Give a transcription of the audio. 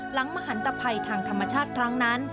มหันตภัยทางธรรมชาติครั้งนั้น